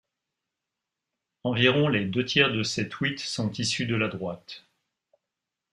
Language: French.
Environ les deux tiers de ces tweets sont issus de la droite.